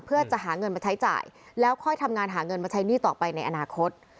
เพื่อจะหาเงินมาใช้จ่ายแล้วค่อยทำงานหาเงินมาใช้หนี้ต่อไปในอนาคต